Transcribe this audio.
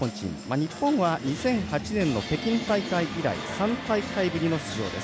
日本は２００８年の北京大会以来３大会ぶりの出場です。